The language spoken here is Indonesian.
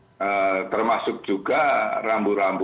atau mungkin berapa lama durasinya bagaimana saya bisa mengetahui itu